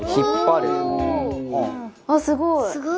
あっすごい！